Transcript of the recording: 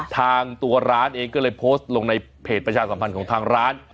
ทางตัวร้านเองก็เลยโพสต์ลงในเพจประชาสัมพันธ์ของทางร้าน